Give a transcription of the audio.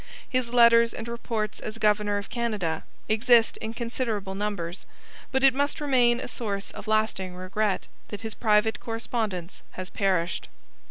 His letters and reports as governor of Canada exist in considerable numbers, but it must remain a source of lasting regret that his private correspondence has perished.